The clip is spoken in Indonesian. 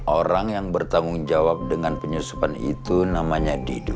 orang yang bertanggung jawab dengan penyusupan itu namanya didu